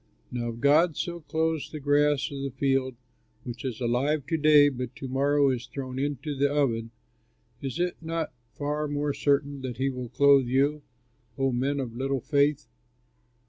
Now if God so clothes the grass of the field which is alive to day but to morrow is thrown into the oven, is it not far more certain that he will clothe you, O men of little faith?